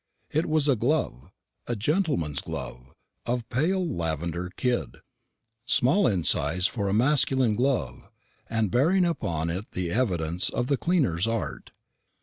It was a glove a gentleman's glove, of pale lavender kid small in size for a masculine glove, and bearing upon it the evidence of the cleaner's art.